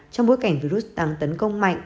trong bối cảnh virus đang tấn công mạnh